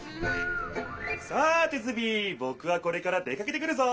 さてズビ！ぼくはこれから出かけてくるぞ！